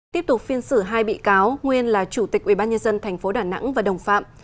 tiếp tục phiên xử hai bị cáo nguyên là chủ tịch ubnd tp đà nẵng và đồng phạm